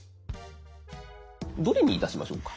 どれにいたしましょうか？